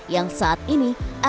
yang saat ini akses utama